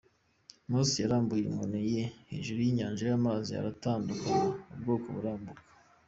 Mose yarambuye inkoni ye hejuru y’inyanja amazi aratandukana, ubwoko burambuka.